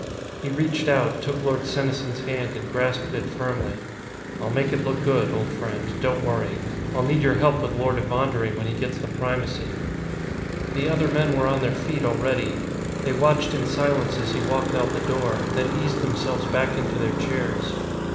He reached out, took Lord Senesin's hand, and grasped it firmly. "I'll make it look good, old friend, don't worry. I'll need your help with Lord Evondering when he gets the Primacy." The other men were on their feet already. They watched in silence as he walked out the door, then eased themselves back into their chairs.